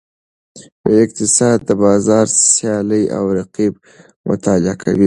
اقتصاد د بازار سیالۍ او رقیبت مطالعه کوي.